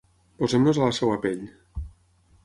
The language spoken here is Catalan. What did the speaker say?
Posem-nos a la seva pell.